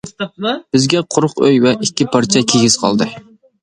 بىزگە قۇرۇق ئۆي ۋە ئىككى پارچە كىگىز قالدى.